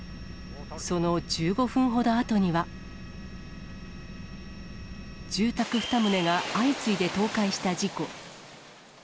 その１５分ほどあとには、住宅２棟が相次いで倒壊した事故。